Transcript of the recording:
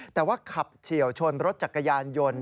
แต่ว่าขับเฉียวชนรถจักรยานยนต์